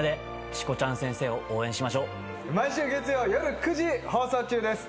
毎週月曜夜９時放送中です。